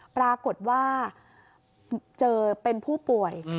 ปรากฏว่าเจอเป็นผู้ป่วย